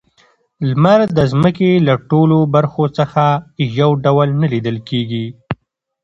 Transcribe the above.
لمر د ځمکې له ټولو برخو څخه یو ډول نه لیدل کیږي.